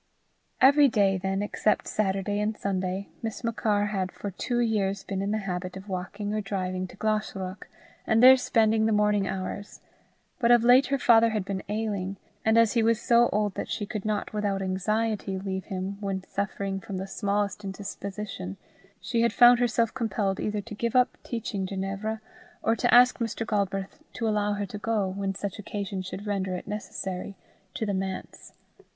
Every day, then, except Saturday and Sunday, Miss Machar had for two years been in the habit of walking or driving to Glashruach, and there spending the morning hours; but of late her father had been ailing, and as he was so old that she could not without anxiety leave him when suffering from the smallest indisposition, she had found herself compelled either to give up teaching Ginevra, or to ask Mr. Galbraith to allow her to go, when such occasion should render it necessary, to the manse.